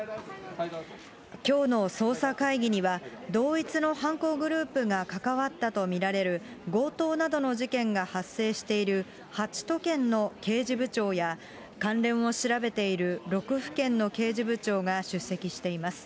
きょうの捜査会議には、同一の犯行グループが関わったと見られる、強盗などの事件が発生している８都県の刑事部長や、関連を調べている６府県の刑事部長が出席しています。